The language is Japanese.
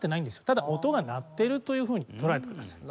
ただ音が鳴ってるというふうに捉えてください。